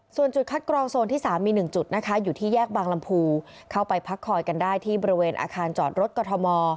ส่วนจุดคัดกรองโซนที่๓มี๑จุดนะคะอยู่ที่แยกบางลำพูเข้าไปพักคอยกันได้ที่บริเวณอาคารจอดรถกรทม